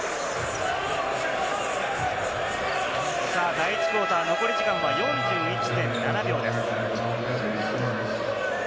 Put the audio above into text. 第１クオーター、残り時間は４１．７秒です。